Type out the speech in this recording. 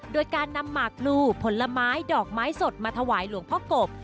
โดยการนำหมากพลูผลไม้ดอกไม้สดมาถวายหลวงพ่อกบ